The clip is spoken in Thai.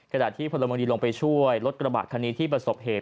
ขณะที่พลเมืองดีลงไปช่วยรถกระบะคันนี้ที่ประสบเหตุ